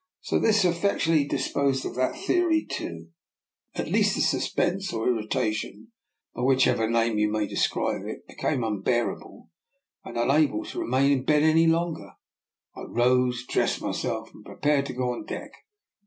This effectually disposed of that theory also. At last the sus pense or irritation, by whichever name you may describe it, became unbearable, and, un able to remain in bed any longer, I rose, dressed myself, and prepared to go on deck.